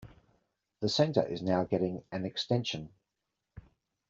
This centre is now getting an extension.